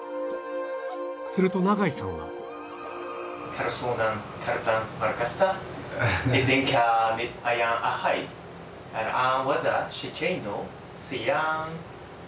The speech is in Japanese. すると永井さんははあ。